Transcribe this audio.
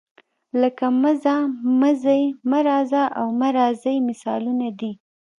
لکه مه ځه، مه ځئ، مه راځه او مه راځئ مثالونه دي.